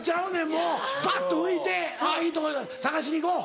もうばっと拭いて「いいと思うよ探しに行こう」。